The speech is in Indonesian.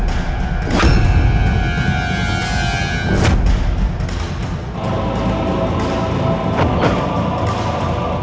aku sepertimu sangat sangat menawanmu